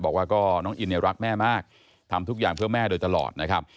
บอกว่าก็น้องอินเนี่ยรักแม่มากทำทุกอย่างเพื่อแม่โดยตลอดนะครับ